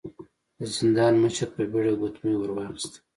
د زندان مشر په بيړه ګوتمۍ ور واخيسته.